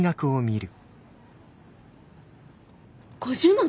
５０万！？